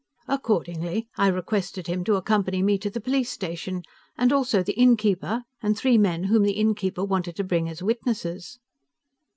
Accordingly, I requested him to accompany me to the police station, and also the innkeeper, and three men whom the innkeeper wanted to bring as witnesses.